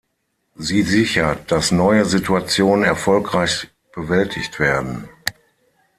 Sie sichert, dass neue Situationen erfolgreich bewältigt werden.